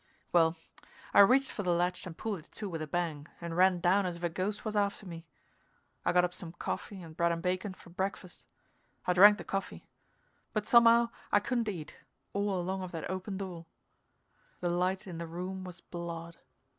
Well, I reached for the latch and pulled it to with a bang and ran down as if a ghost was after me. I got up some coffee and bread and bacon for breakfast. I drank the coffee. But somehow I couldn't eat, all along of that open door. The light in the room was blood.